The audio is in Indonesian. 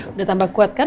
udah tambah kuat kan